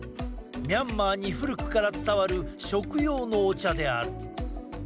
ミャンマーに古くから伝わる食用のお茶である。